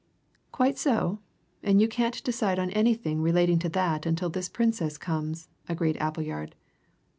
"Quite so and you can't decide on anything relating to that until this Princess comes," agreed Appleyard.